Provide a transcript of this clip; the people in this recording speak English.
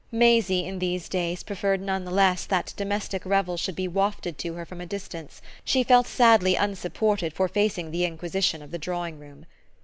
Maisie in these days preferred none the less that domestic revels should be wafted to her from a distance: she felt sadly unsupported for facing the inquisition of the drawing room.